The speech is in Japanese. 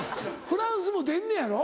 フランスも出んのやろ？